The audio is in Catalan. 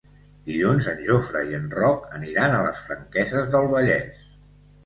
Dilluns en Jofre i en Roc aniran a les Franqueses del Vallès.